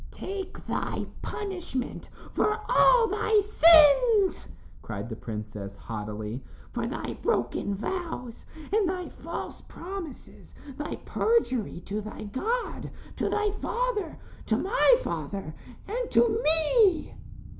"Take thy punishment for all thy sins," cried the princess, haughtily, "for thy broken vows and thy false promises thy perjury to thy God, to thy father, to my father and to me."